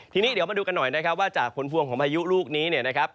ทีนี้เดี๋ยวมาดูกันหน่อยว่าจากผลพวงของพายุลูกนี้